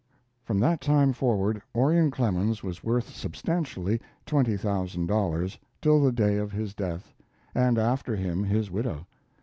From that time forward Orion Clemens was worth substantially twenty thousand dollars till the day of his death, and, after him, his widow.